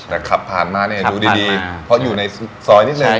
แต่ขับผ่านมาเนี่ยดูดีเพราะอยู่ในซอยนิดนึง